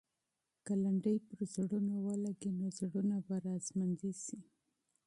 که لنډۍ پر زړونو ولګي، نو زړونه به راژوندي سي.